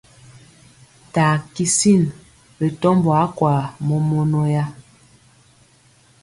Taa kisin ri tɔmbɔ akwa mɔmɔnɔya.